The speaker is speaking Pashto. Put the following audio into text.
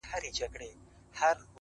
د مودو ستړي پر وجود بـانـدي خـولـه راځي؛